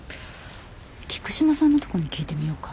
菊島さんのとこに聞いてみようか。